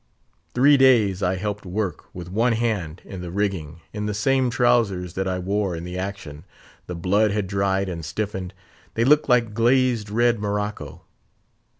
Three days I helped work, with one hand, in the rigging, in the same trowsers that I wore in the action; the blood had dried and stiffened; they looked like glazed red morocco."